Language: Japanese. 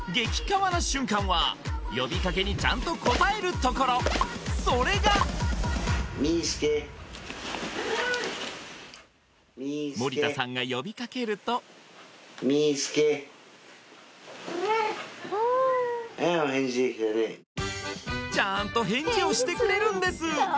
カワな瞬間は呼びかけにちゃんと応えるところそれがミースケ盛田さんが呼びかけるとミースケお返事できたねちゃんと返事をしてくれるんです！